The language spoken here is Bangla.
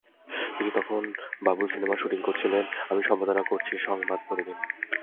তিনি তখন বাবুল সিনেমার শুটিং করছিলেন, আমি সম্পাদনা করছি সংবাদ প্রতিদিন।